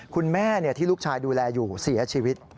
คุณแม่ที่ลูกชายดูแลอยู่เสียชีวิต